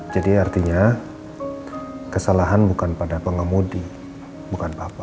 jadi artinya kesalahan bukan pada pengemudi bukan papa